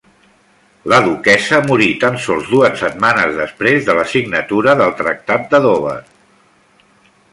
La duquessa morí tan sols dues setmanes després de la signatura del Tractat de Dover.